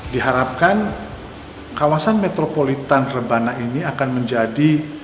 di harapkan kawasan metropolitan rebana ini akan menjadi